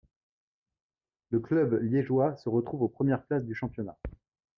Le club liégeois se retrouve aux premières places du championnat.